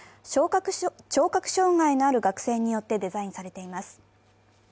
聴覚障害のある学生によってデザインされています。